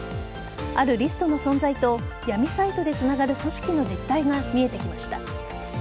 あるリストの存在と闇サイトでつながる組織の実態が見えてきました。